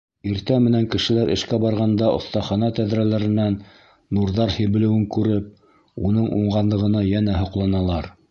Иртә менән кешеләр эшкә барғанда оҫтахана тәҙрәләренән нурҙар һибелеүен күреп, уның уңғанлығына йәнә һоҡланалар.